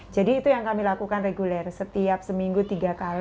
jadi itu yang kami lakukan reguler setiap seminggu tiga kali